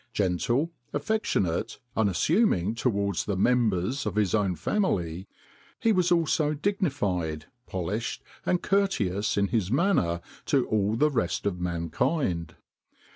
Gentle, affectionate, unassuming towards the members of his own family, he was also dignified, polished, and courteous in his manner to all the rest of mankind.